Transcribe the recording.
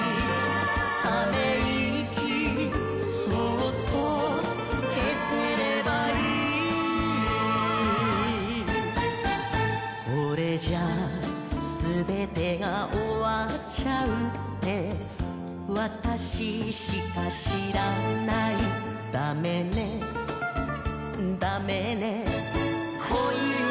ため息そっと消せればいいこれじゃすべてが終わっちゃうってわたししか知らないだめねだめね恋心